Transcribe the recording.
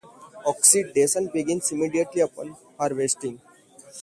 Oxidation begins immediately upon harvesting.